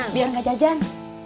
biar gak jajan